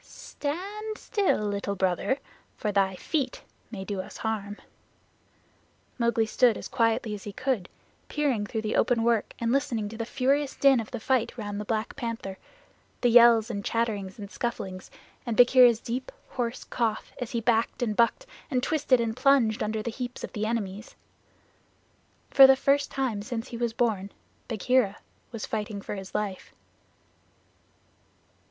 "Stand still, Little Brother, for thy feet may do us harm." Mowgli stood as quietly as he could, peering through the open work and listening to the furious din of the fight round the Black Panther the yells and chatterings and scufflings, and Bagheera's deep, hoarse cough as he backed and bucked and twisted and plunged under the heaps of his enemies. For the first time since he was born, Bagheera was fighting for his life.